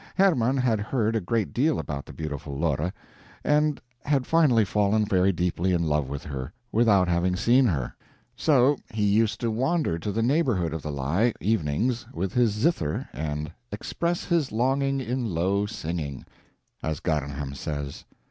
Hermann had heard a great deal about the beautiful Lore, and had finally fallen very deeply in love with her without having seen her. So he used to wander to the neighborhood of the Lei, evenings, with his Zither and "Express his Longing in low Singing," as Garnham says.